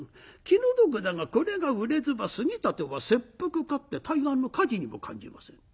「気の毒だがこれが売れずば杉立は切腹か」って「対岸の火事」にも感じません。